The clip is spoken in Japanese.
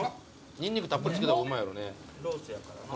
ニンニクたっぷりつけた方がうまいやろね。